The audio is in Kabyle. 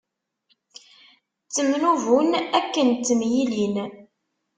Ttemnubun akken ttemyilin.